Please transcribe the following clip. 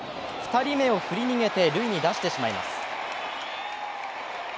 ２人目を振り逃げで塁に出してしまいます。